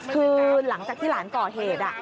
คือหลังจากที่หลานก่อเหตุ